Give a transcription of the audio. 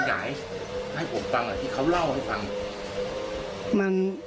เพราะว่าเขาอยากให้ผมฟังที่เขาเล่าให้ฟัง